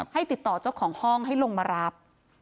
ให้ติดต่อเจ้าของห้องให้ลงมารับ